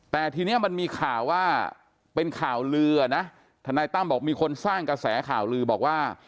แต่ทีนี้มันมีข่าวว่าเป็นข่าวลือนะทนายตั้มบอกมีคนสร้างกระแสข่าวลือบอกว่า